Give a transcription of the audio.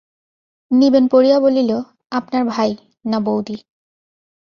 নীবেন পড়িয়া বলিল, আপনার ভাই, না বৌদি?